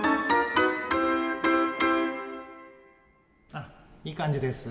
あいい感じです。